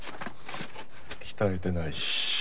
鍛えてないし。